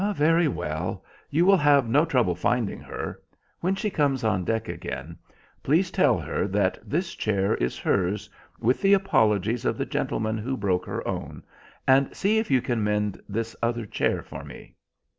"Very well, you will have no trouble finding her. When she comes on deck again, please tell her that this chair is hers, with the apologies of the gentleman who broke her own, and see if you can mend this other chair for me."